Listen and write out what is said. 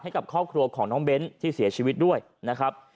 ให้กับครอบครัวของน้องเบ้นที่เสียชีวิตด้วยนะครับ